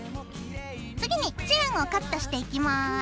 次にチェーンをカットしていきます。